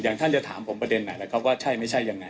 อย่างท่านจะถามผมประเด็นไหนแล้วก็ว่าใช่ไม่ใช่ยังไง